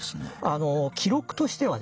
あの記録としてはですね